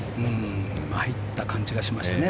入った感じがしましたね